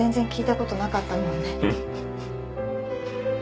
うん。